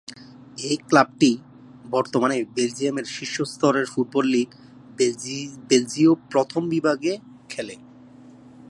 এই ক্লাবটি বর্তমানে বেলজিয়ামের শীর্ষ স্তরের ফুটবল লীগ বেলজীয় প্রথম বিভাগ এ-এ খেলে।